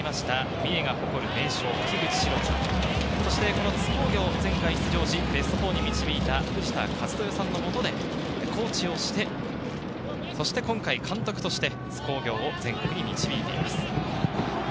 三重が誇る名将・樋口士郎さん、そして津工業、前回出場してベスト４に導いた藤田一豊さんのもとでコーチをして、そして今回、監督として津工業を全国に導いています。